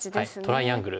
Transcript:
トライアングル。